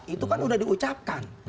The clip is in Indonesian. itu kan udah diucapkan